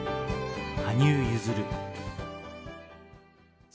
羽生結弦。